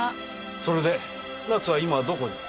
それで奈津は今どこに？